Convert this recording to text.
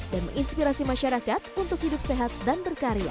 dan menginspirasi masyarakat untuk hidup sehat dan berkarya